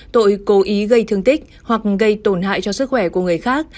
tội cố ý gây thương tích hoặc gây tổn hại cho sức khỏe của người khác